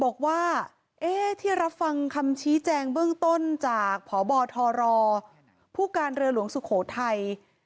บอกว่าที่รับฟังคำชี้แจงเบื้องต้นจากพบทรผู้การเรือหลวงสุโขทัย